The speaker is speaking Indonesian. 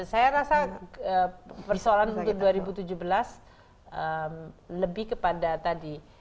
saya rasa persoalan untuk dua ribu tujuh belas lebih kepada tadi